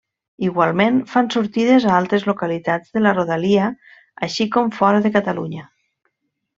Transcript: Igualment, fan sortides a altres localitats de la rodalia, així com fora de Catalunya.